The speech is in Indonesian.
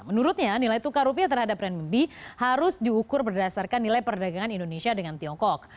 menurutnya nilai tukar rupiah terhadap renmin harus diukur berdasarkan nilai perdagangan indonesia dengan tiongkok